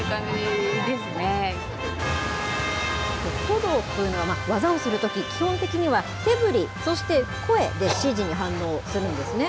トドというのは、技をするとき、基本的には手ぶり、そして声で指示に反応するんですね。